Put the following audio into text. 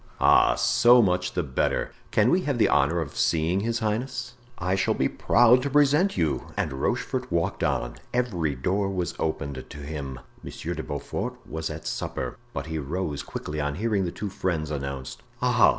"Ah! so much the better! Can we have the honor of seeing his highness?" "I shall be proud to present you," and Rochefort walked on. Every door was opened to him. Monsieur de Beaufort was at supper, but he rose quickly on hearing the two friends announced. "Ah!"